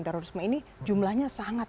terorisme ini jumlahnya sangat